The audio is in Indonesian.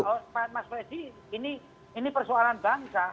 pak mas fede ini persoalan bangsa